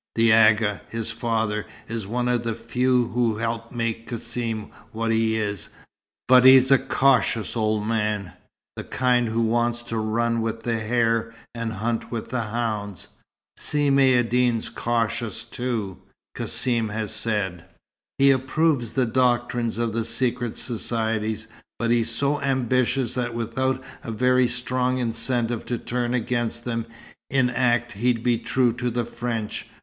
The Agha, his father, is one of the few who helped make Cassim what he is, but he's a cautious old man, the kind who wants to run with the hare and hunt with the hounds. Si Maïeddine's cautious too, Cassim has said. He approves the doctrines of the secret societies, but he's so ambitious that without a very strong incentive to turn against them, in act he'd be true to the French.